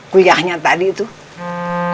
kuyahnya tadi tuh